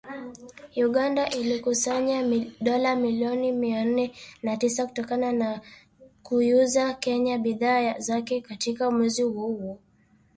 Uganda ilikusanya dola milioni mia nne na tisa kutokana na kuiuzia Kenya bidhaa zake katika mwezi huo huo